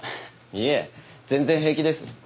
いえ全然平気です。